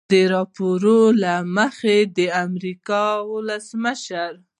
د راپورونو له مخې د امریکا ولسمشر